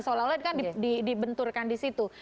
seolah olah kan dibenturkan di situ